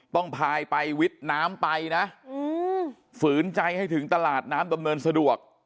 พายไปวิทย์น้ำไปนะฝืนใจให้ถึงตลาดน้ำดำเนินสะดวก